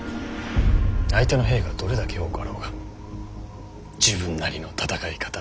相手の兵がどれだけ多かろうが自分なりの戦い方をしてみせる。